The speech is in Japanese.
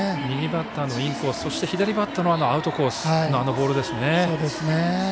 右バッターのインコースそして左バッターのアウトコースのボールですね。